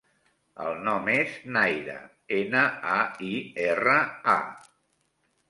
El nom és Naira: ena, a, i, erra, a.